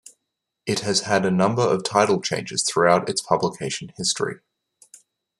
It has had a number of title changes throughout its publication history.